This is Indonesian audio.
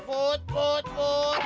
put put put